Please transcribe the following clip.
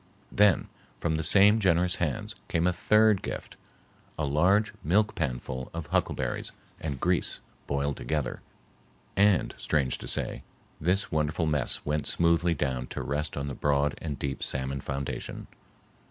Then, from the same generous hands, came a third gift,—a large milk panful of huckleberries and grease boiled together,—and, strange to say, this wonderful mess went smoothly down to rest on the broad and deep salmon foundation.